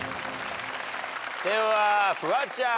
ではフワちゃん。